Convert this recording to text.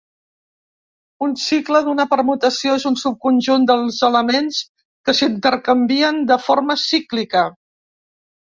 Un cicle d'una permutació és un subconjunt dels elements que s'intercanvien de forma cíclica.